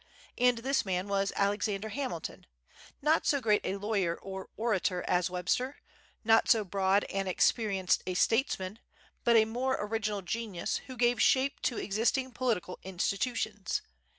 And this man was Alexander Hamilton; not so great a lawyer or orator as Webster, not so broad and experienced a statesman, but a more original genius, who gave shape to existing political institutions.